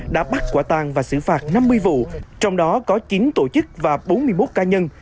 đã bắt quả tang và xử phạt năm mươi vụ trong đó có chín tổ chức và bốn mươi một cá nhân